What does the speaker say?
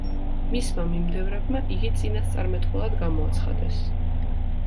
მისმა მიმდევრებმა იგი წინასწარმეტყველად გამოაცხადეს.